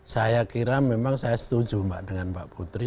saya kira memang saya setuju mbak dengan mbak putri